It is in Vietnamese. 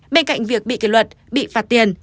bên cạnh việc bị kỷ luật bị phạt tiền